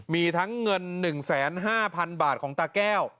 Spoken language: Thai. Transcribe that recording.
มีทั้งเงิน๑๕๐๐๐บาทของตาแก้ว